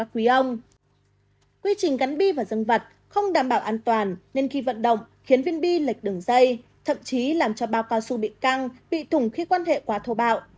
quy trình cắn bi vào dương vật không đảm bảo an toàn nên khi vận động khiến viên bi lệch đường dây thậm chí làm cho bao cao su bị căng bị thủng khi quan hệ quá thô bạo